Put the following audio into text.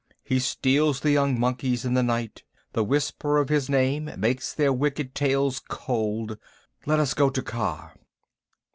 He steals the young monkeys in the night. The whisper of his name makes their wicked tails cold. Let us go to Kaa."